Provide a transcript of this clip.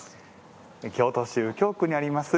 京都市右京区にあります